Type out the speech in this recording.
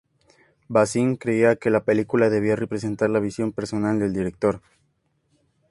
Bazin creía que una película debía representar la visión personal del director.